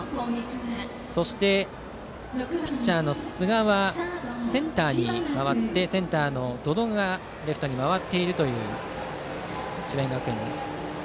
ピッチャーの寿賀はセンターに回ってセンターの百々がレフトに回っている智弁学園です。